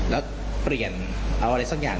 แล้วเปลี่ยนเอาอะไรสักอย่าง